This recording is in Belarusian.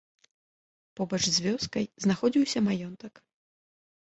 Побач з вёскай знаходзіўся маёнтак.